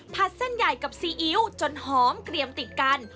เส้นใหญ่กับซีอิ๊วจนหอมเกลี่ยมติดกัน